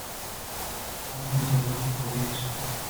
"Pełne zaduchu powietrze."